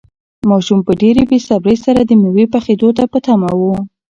ماشوم په ډېرې بې صبري سره د مېوې پخېدو ته په تمه و.